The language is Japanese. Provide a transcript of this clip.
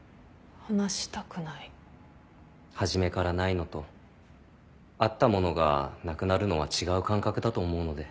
初めからないのとあったものがなくなるのは違う感覚だと思うので。